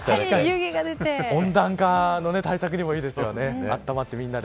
温暖化の対策にもいいですよね。